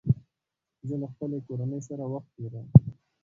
زه له خپلې کورنۍ سره وخت تېروم